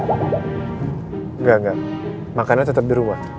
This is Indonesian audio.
enggak enggak makanannya tetap di rumah